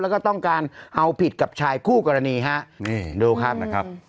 แล้วก็ต้องการเอาผิดกับชายคู่กรณีฮะนี่ดูครับนะครับ